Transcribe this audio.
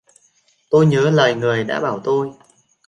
Tôi nhớ lời người đã bảo tôi